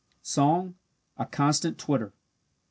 Song a constant twitter.